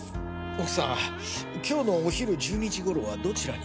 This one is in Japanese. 奥さん今日のお昼１２時頃はどちらに？